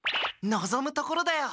のぞむところだよ！